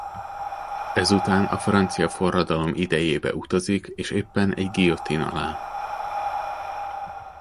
Ezután a francia forradalom idejébe utazik és éppen egy guillotine alá.